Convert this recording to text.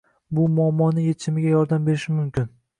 bu muammoning yechimiga yordam berishi mumkin.